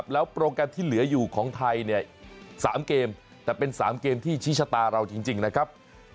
แล้วที่เหลืออยู่ของไทย๓เกมแต่เป็น๓กิมที่ชิชตาเราคือจริงนะครับ